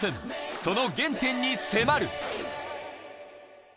その原点に迫る。